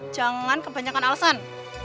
jangan kebanyakan alasan